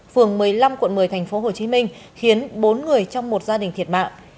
phường một mươi năm quận một mươi tp hcm khiến bốn người trong một gia đình thiệt mạng